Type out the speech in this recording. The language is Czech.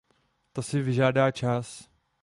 To si vyžádá čas.